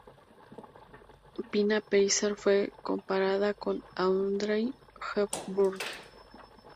Pina Pellicer fue comparada con Audrey Hepburn.